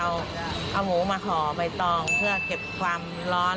เอาหมูมาห่อใบตองเพื่อเก็บความร้อน